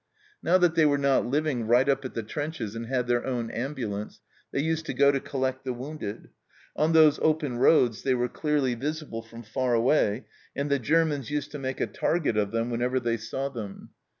Now that they were not living right up at the trenches, and had their own ambulance, they used to go to collect the wounded. On those open roads they were clearly visible from far away, and the Germans used to make a target of them when ever they saw them.